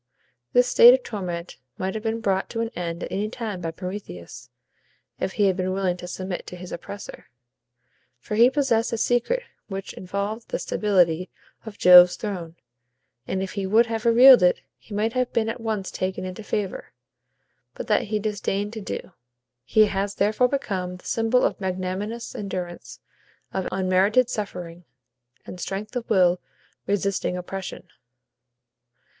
This state of torment might have been brought to an end at any time by Prometheus, if he had been willing to submit to his oppressor; for he possessed a secret which involved the stability of Jove's throne, and if he would have revealed it, he might have been at once taken into favor. But that he disdained to do. He has therefore become the symbol of magnanimous endurance of unmerited suffering, and strength of will resisting oppression.